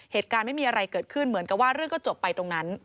เหตุการณ์ไม่มีอะไรเกิดขึ้นเหมือนกับว่าเรื่องก็จบไปตรงนั้น